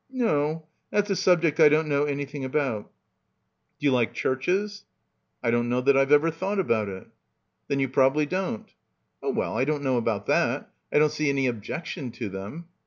"No. That's a subject I don't know anything about." "D'you like churches?" — 227 — PILGRIMAGE "I don't know that Pve ever thought about it." "Then you probably don't." "Oh, well, I don't know about that. I don't see any objection to them."